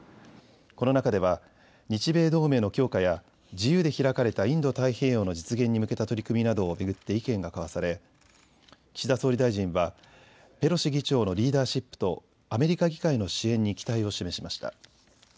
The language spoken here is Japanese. この中では日米同盟の強化や自由で開かれたインド太平洋の実現に向けた取り組みなどを巡って意見が交わされ岸田総理大臣はペロシ議長のリーダーシップとアメリカ議会の支援に期待を示しました。